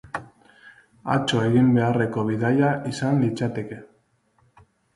Atzo egin beharreko bidaia izango litzateke.